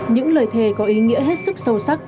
những lời thề có ý nghĩa hết sức sâu sắc